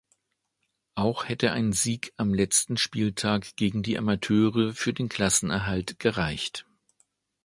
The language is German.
Auch hätte ein Sieg am letzten Spieltag gegen die Amateure für den Klassenerhalt gereicht.